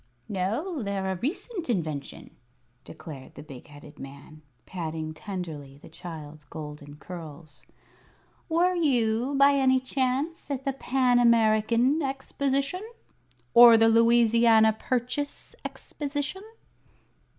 "No, they're a recent invention," declared the big headed man, patting tenderly the child's golden curls. "Were you, by any chance, at the Pan American Exposition? Or the Louisiana Purchase Exposition?"